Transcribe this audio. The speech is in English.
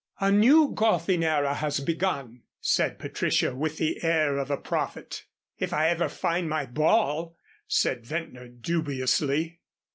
"A new golfing era has begun," said Patricia, with the air of a prophet. "If I ever find my ball," said Ventnor, dubiously.